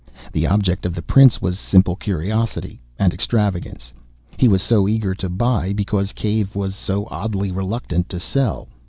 The object of the Prince was simply curiosity and extravagance. He was so eager to buy, because Cave was so oddly reluctant to sell.